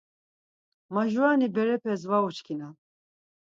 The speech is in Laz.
Majurani berepes var uçkinan.